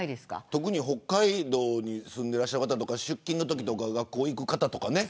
特に北海道に住んでいる方とか出勤のときとか学校に行く方とかね。